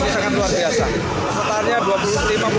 ini sangat luar biasa